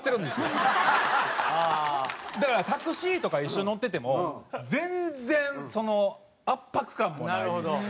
だからタクシーとか一緒に乗ってても全然その圧迫感もないし。